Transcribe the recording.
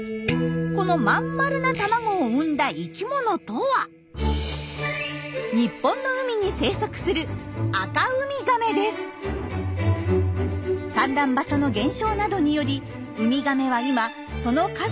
この真ん丸な卵を産んだ生きものとは日本の海に生息する産卵場所の減少などによりウミガメは今その数を減らしています。